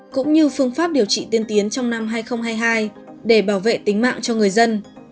cũng như phương pháp điều trị tiên tiến trong năm hai nghìn hai mươi hai để bảo vệ tính mạng cho người dân